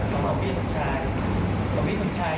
เราไม่รู้จักเราไม่ต้องรู้จัก